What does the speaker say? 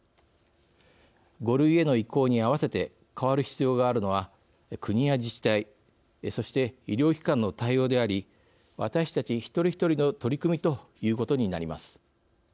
５類への移行に合わせて変わる必要があるのは国や自治体そして、医療機関の対応であり私たち一人一人の取り組みということになります。